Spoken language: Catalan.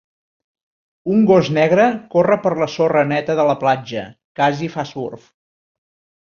Un gos negre corre per la sorra neta de la platja, casi fa surf.